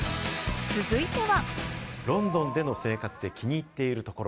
続いては。